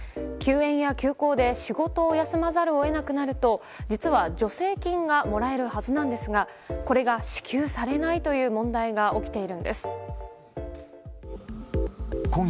休園や休校で仕事を休まざるをえなくなると、実は助成金がもらえるはずなんですが、これが支給されないという問題が起きているんです。